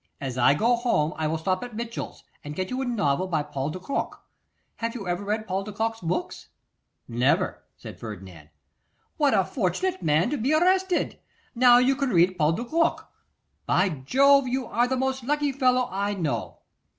As I go home I will stop at Mitchell's and get you a novel by Paul de Kock. Have you ever read Paul de Kock's books?' 'Never,' said Ferdinand. 'What a fortunate man to be arrested! Now you can read Paul de Kock! By Jove, you are the most lucky fellow I know.